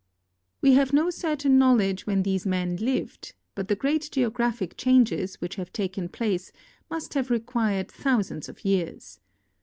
We have no certain knowledge when these men lived, Init the great geographic changes which have taken place must have re quired thousands of years.